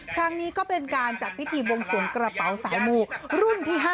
ครั้งนี้ก็เป็นการจัดพิธีบวงสวงกระเป๋าสายมูรุ่นที่๕